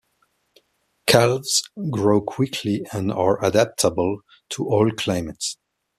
Calves grow quickly and are adaptable to all climates.